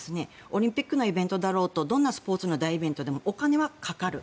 オリンピックのイベントだろうがどんなスポーツの大イベントでもお金はかかる。